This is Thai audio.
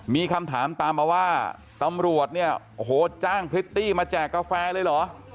มีคำถามตามมาว่าตำรวจเนี่ยโอ้โหจ้างพริตตี้มาแจกกาแฟเลยเหรอ